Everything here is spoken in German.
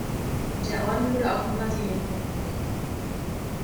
Der Orden wurde auch in Brasilien verwendet.